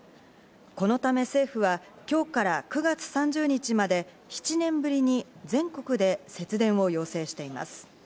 このため政府は、今日から９月３０日まで７年ぶりに全国で節電を要請しています。